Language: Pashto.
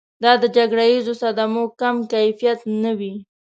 دا د جګړیزو صدمو کم کیفیت نه وي.